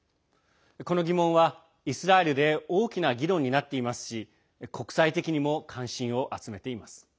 この疑問は、イスラエルで大きな議論になっていますし国際的にも関心を集めています。